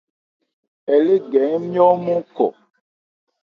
Ɛ lé gɛ ńmyɔ́ ɔ́nmɔn khɔ.